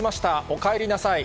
おかえりなさい。